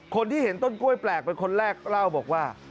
คนที่เห็นต้นกล้วยแปลกเป็นคนแรกเล่าบอกว่า